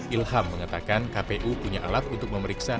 ilham mengatakan kpu punya alat untuk memeriksa